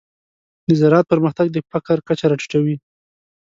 د زراعت پرمختګ د فقر کچه راټیټوي.